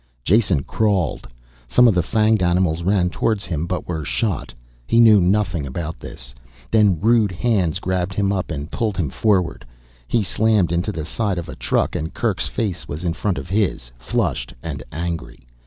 Jason crawled. Some of the fanged animals ran towards him, but were shot. He knew nothing about this. Then rude hands grabbed him up and pulled him forward. He slammed into the side of a truck and Kerk's face was in front of his, flushed and angry.